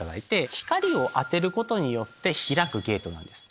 光を当てることによって開くゲートなんです。